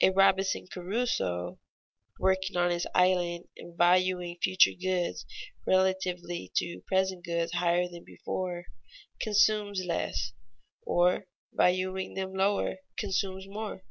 A Robinson Crusoe working on his island and valuing future goods relatively to present goods higher than before, consumes less; or, valuing them lower, consumes more.